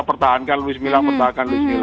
pertahankan louis mila pertahankan louis mila